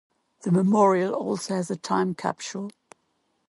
The memorial also has a time capsule.